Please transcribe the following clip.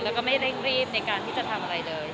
แล้วก็ไม่เร่งรีบในการที่จะทำอะไรเลย